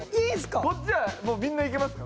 こっちはもうみんないけますか？